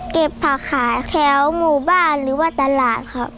เก็บผักขายแถวหมู่บ้านหรือว่าตลาดครับ